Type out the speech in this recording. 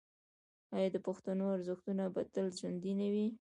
آیا د پښتنو ارزښتونه به تل ژوندي نه وي؟